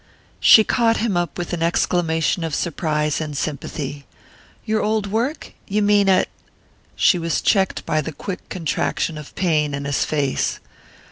She caught him up with an exclamation of surprise and sympathy. "Your old work? You mean at " She was checked by the quick contraction of pain in his face.